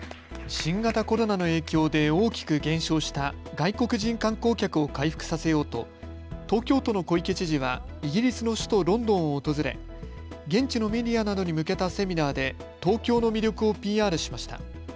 新型コロナの影響で大きく減少した外国人観光客を回復させようと、東京都の小池知事はイギリスの首都ロンドンを訪れ現地のメディアなどに向けたセミナーで東京の魅力をＰＲしました。